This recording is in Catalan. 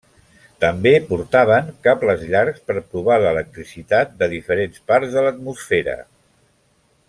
També portaven cables llargs per provar l'electricitat de diferents parts de l'atmosfera.